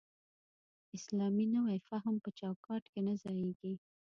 اسلامي نوی فهم په چوکاټ کې نه ځایېږي.